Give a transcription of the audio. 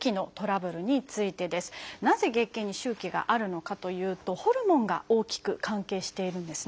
なぜ月経に周期があるのかというとホルモンが大きく関係しているんですね。